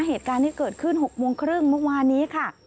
เหตุการณ์ที่เกิดขึ้น๖โมงครึ่งเมื่อวานนี้ค่ะ